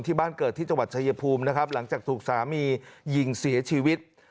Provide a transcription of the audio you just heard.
ที่บ้านเกิดที่จังหวัดชายภูมินะครับหลังจากถูกสามียิงเสียชีวิต